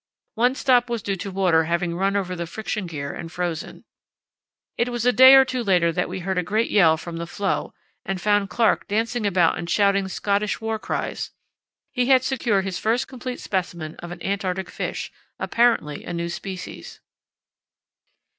One stop was due to water having run over the friction gear and frozen. It was a day or two later that we heard a great yell from the floe and found Clark dancing about and shouting Scottish war cries. He had secured his first complete specimen of an Antarctic fish, apparently a new species.